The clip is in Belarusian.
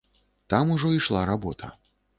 Там ужо ішла работа.